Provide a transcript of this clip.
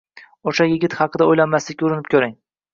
O`sha yigit haqida o`ylamaslikka urinib ko`ring